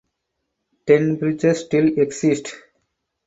Ten bridges still exist.